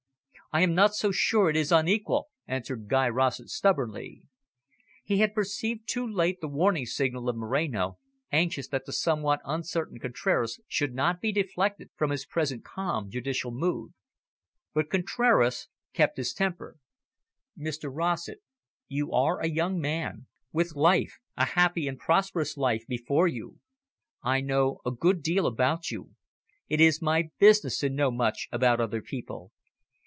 "I am not so sure it is unequal," answered Guy Rossett stubbornly. He had perceived too late the warning signal of Moreno, anxious that the somewhat uncertain Contraras should not be deflected from his present calm, judicial mood. But Contraras kept his temper. "Mr Rossett, you are a young man, with life, a happy and prosperous life, before you. I know a great deal about you; it is my business to know much about other people.